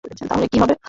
তাহলে কি হবে?